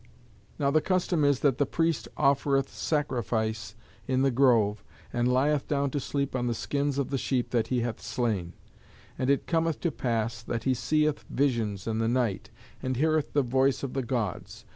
Now the custom is that the priest offereth sacrifice in the grove and lieth down to sleep on the skins of the sheep that he hath slain; and it cometh to pass that he seeth visions in the night and heareth the voice of the Gods.